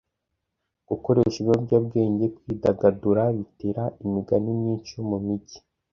Gukoresha ibiyobyabwenge kwidagadura bitera imigani myinshi yo mumijyi.